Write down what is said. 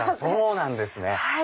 そうなんですね！